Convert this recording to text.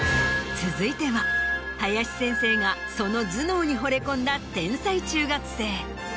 続いては林先生がその頭脳にほれ込んだ天才中学生。